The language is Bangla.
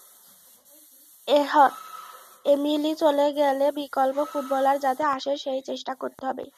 এমিলি চলে গেলে বিকল্প ফুটবলার যাতে আসে, সেই চেষ্টা করতে হবে।